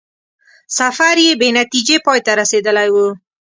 سفر یې بې نتیجې پای ته رسېدلی وو.